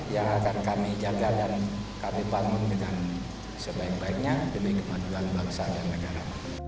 yang akan kami jaga dan kami bangun dengan sebaik baiknya demi kemajuan bangsa dan negara